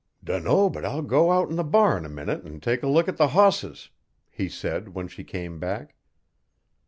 'Dunno but I'll go out to the barn a minnit 'n take a look at the hosses,' he said when she came back.